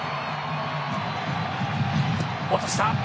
落とした。